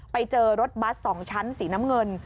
ไปเจอรถบัส๒ชั้นสีน้ำเงิน